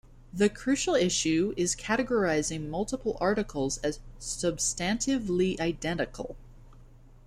The crucial issue is categorizing multiple articles as "substantively identical".